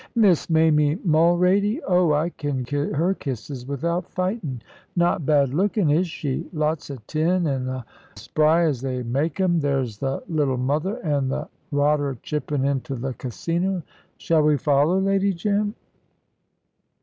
"Miss Mamie Mulrady? Oh, I can get her kisses without fightin'. Not bad lookin', is she? Lots of tin, an' as spry as they make 'em. There's th' little mother an' that rotter chippin' into th' Casino. Shall we follow, Lady Jim?"